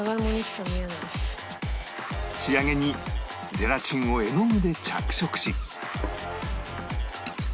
仕上げにゼラチンを絵の具で着色し